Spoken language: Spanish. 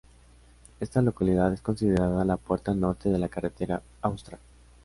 Esta localidad es considerada "la puerta norte de la Carretera Austral".